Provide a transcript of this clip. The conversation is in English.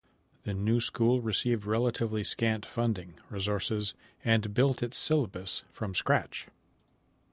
The new school received relatively scant funding, resources, and built its syllabus from scratch.